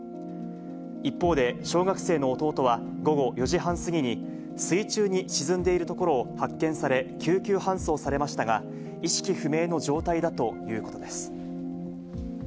一方で、小学生の弟は午後４時半過ぎに、水中に沈んでいるところを発見され、救急搬送されましたが、意識不明の状態だということです。